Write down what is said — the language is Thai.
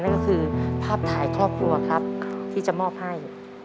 นั่นก็คือภาพถ่ายครอบครัวครับที่จะมอบให้